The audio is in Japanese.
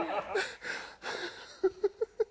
ハハハハ。